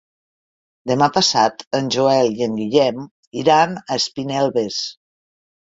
Demà passat en Joel i en Guillem iran a Espinelves.